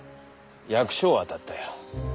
役所を当たったよ。